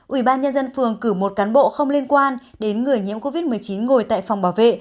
ủy ban nhân dân phường cử một cán bộ không liên quan đến người nhiễm covid một mươi chín ngồi tại phòng bảo vệ